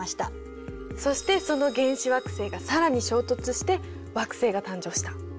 そしてその原始惑星が更に衝突して惑星が誕生した。